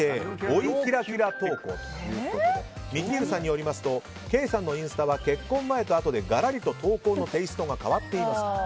追いキラキラ投稿ということでみきーるさんによりますとケイさんのインスタは結婚前とあとでがらりと投稿のテイストが変わっています。